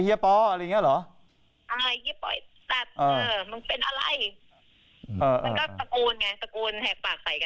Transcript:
เนี่ยโชตงี้หนูจำได้แค่เนี้ยแหละ